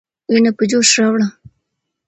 ويني په جوش راوړه.